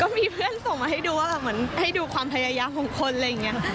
มีเพื่อนส่งมาให้ดูว่าแบบเหมือนให้ดูความพยายามของคนอะไรอย่างนี้